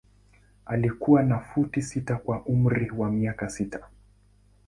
Alikuwa na futi sita kwa umri wa miaka sita.